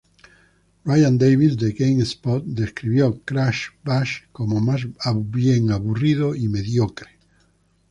Ryan Davis de GameSpot describió Crash Bash como más bien aburrido y mediocre.